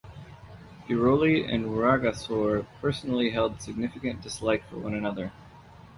Biroli and Rwagasore personally held significant dislike for one another.